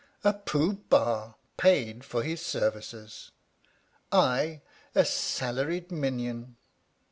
A Pooh Bah paid for his services! I a salaried minion!